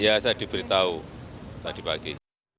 ya saya diberitahu tadi pagi